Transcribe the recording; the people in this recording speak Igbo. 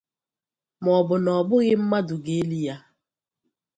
maọbụ na ọ bụghị mmadụ ga-eli ya.